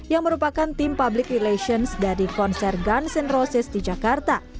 yang merupakan tim public relations dari konser guns ⁇ roses di jakarta